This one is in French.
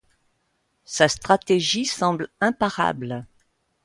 Sa stratégie semble imparable.